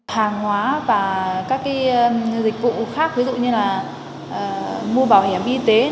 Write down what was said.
hàng hóa và các dịch vụ khác ví dụ như là mua bảo hiểm y tế